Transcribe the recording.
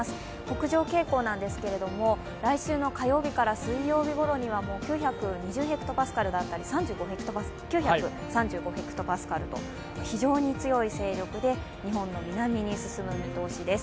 北上傾向なんですけれども、来週の火曜日から水曜日ごろには９２０ｈＰａだったり９３５ｈＰａと非常に強い勢力で日本の南に進む見通しです。